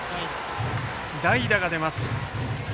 代打が出ます。